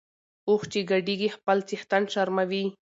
اوښ چی ګډیږي خپل څښتن شرموي .